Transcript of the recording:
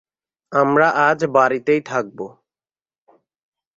আমরা আজ বাড়িতেই থাকব।